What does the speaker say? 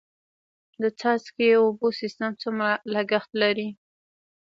د څاڅکي اوبو سیستم څومره لګښت لري؟